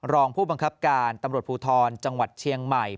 รองผู้บังคับการตำรวจภูทรจังหวัดเชียงใหม่